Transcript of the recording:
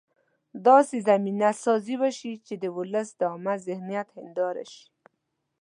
داسې زمینه سازي وشي چې د ولس د عامه ذهنیت هنداره شي.